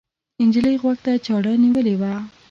نجلۍ غوږ ته چاړه نیولې وه.